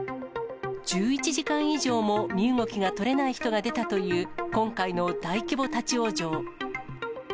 １１時間以上も身動きが取れない人が出たという、今回の大規模立往生。